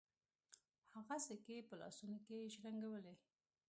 هغه سکې په لاسونو کې شرنګولې.